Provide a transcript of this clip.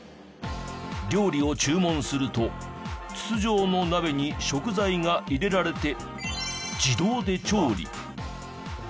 料理を注文すると筒状の鍋に食材が入れられて自動で調理。